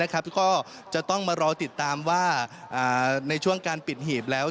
ก็จะต้องมารอติดตามว่าในช่วงการปิดหีบแล้ว